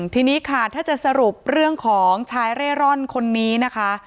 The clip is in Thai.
ทีนี้ค่ะถ้าจะสรุปเรื่องของชายเร่ร่อนคนนี้นะคะ